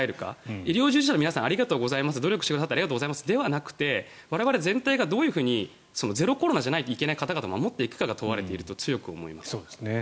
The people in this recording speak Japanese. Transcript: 医療従事者の皆さん努力してくださってありがとうございますじゃなくて我々全体としてゼロコロナじゃないといけない方々を守っていくかが問われていると思います。